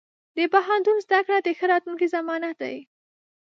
د پوهنتون زده کړه د ښه راتلونکي ضمانت دی.